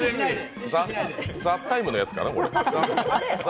「ＴＨＥＴＩＭＥ，」のやつかな、これ。